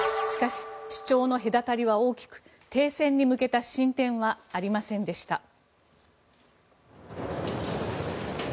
しかし主張の隔たりは大きく停戦に向けた進展はありませんでした。